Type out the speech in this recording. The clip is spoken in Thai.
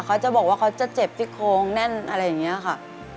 เขาจะบอกว่าเขาจะเจ็บที่โค้งแน่นอะไรอย่างนี้ค่ะ